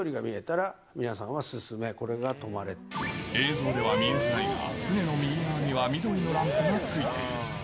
緑が見えたら、皆さんは、進め、映像では見えづらいが、船の右側には緑のランプがついている。